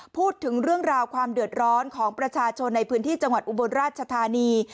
พูดถึงเรื่องราวความเดือดร้อนของประชาชนในพื้นที่จังหวัดอุบลราชธานี